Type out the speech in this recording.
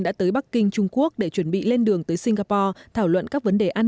đã tới bắc kinh trung quốc để chuẩn bị lên đường tới singapore thảo luận các vấn đề an